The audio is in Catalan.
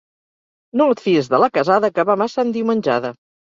No et fiïs de la casada que va massa endiumenjada.